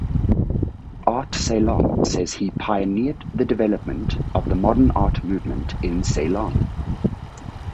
Art Ceylon says he "pioneered the development of the modern art movement in Ceylon".